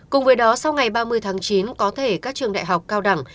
cùng với đó sau ngày ba mươi tháng chín có thể các trường đại học cao đẳng